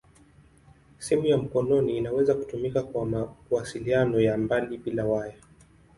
Simu ya mkononi inaweza kutumika kwa mawasiliano ya mbali bila waya.